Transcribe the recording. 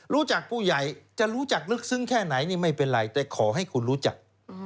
รู้จักผู้ใหญ่จะรู้จักลึกซึ้งแค่ไหนนี่ไม่เป็นไรแต่ขอให้คุณรู้จัก